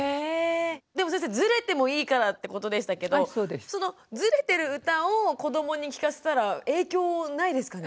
でも先生ずれてもいいからってことでしたけどそのずれてる歌を子どもに聞かせたら影響ないですかね？